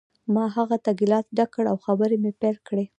ما هغه ته ګیلاس ډک کړ او خبرې مې پیل کړې